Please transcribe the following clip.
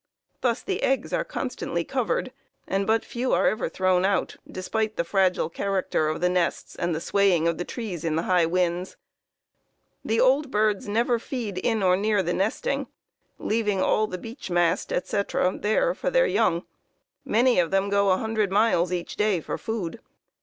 "Thus the eggs are constantly covered, and but few are ever thrown out despite the fragile character of the nests and the swaying of the trees in the high winds. The old birds never feed in or near the nesting, leaving all the beech mast, etc., there for their young. Many of them go 100 miles each day for food.